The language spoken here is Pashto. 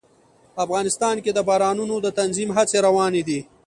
افغانستان کې د بارانونو د تنظیم هڅې روانې دي.